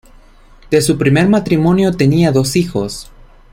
De su primer matrimonio tenía dos hijos.